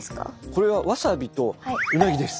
これはわさびとうなぎです。